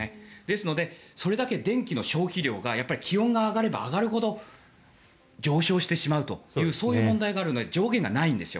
ですので、それだけ電気の消費量がやっぱり気温が上がれば上がるほど上昇してしまうというそういう問題があるので上限がないんです。